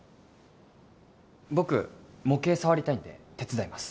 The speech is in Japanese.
僕模型触りたいんで手伝います